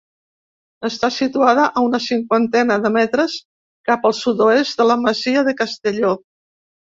Està situada a una cinquantena de metres cap al sud-oest de la masia de Castelló.